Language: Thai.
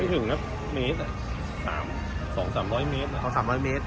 ไม่ถึงครับเมตรสามสองสามร้อยเมตรสองสามร้อยเมตร